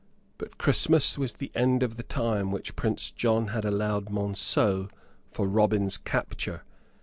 But Christmas was the end of the time which Prince John had allowed Monceux for Robin's capture.